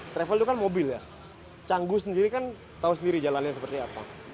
travel itu kan mobil ya canggu sendiri kan tahu sendiri jalannya seperti apa